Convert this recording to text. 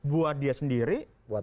buat dia sendiri